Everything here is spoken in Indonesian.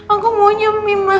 aku maunya mie masak